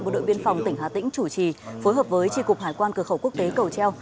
bộ đội biên phòng tỉnh hà tĩnh chủ trì phối hợp với tri cục hải quan cửa khẩu quốc tế cầu treo